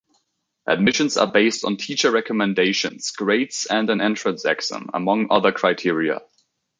Admissions are based on teacher recommendations, grades and an entrance exam, among other criteria.